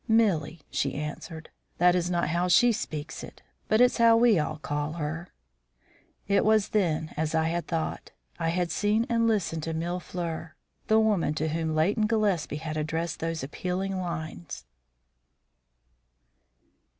"Millie," she answered. "That is not how she speaks it, but it's how we all call her." It was, then, as I had thought. I had seen and listened to Mille fleurs, the woman to whom Leighton Gillespie had addressed those appealing lines.